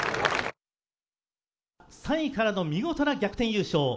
３位からの見事な逆転優勝